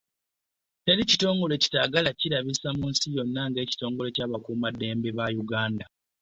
Teri kitongole kitaagala kirabisa mu nsi yonna nga kitongole ky'abakuuma ddembe ab'e Uganda.